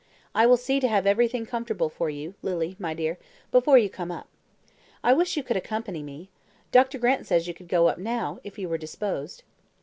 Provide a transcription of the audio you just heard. I will see to have everything comfortable for you, Lily, my dear, before you come up. I wish you could accompany me. Dr. Grant says you could go up now, if you were disposed."